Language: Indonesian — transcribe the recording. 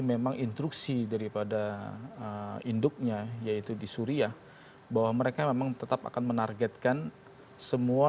memang instruksi daripada induknya yaitu di suriah bahwa mereka memang tetap akan menargetkan semua